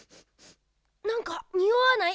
なんかにおわない？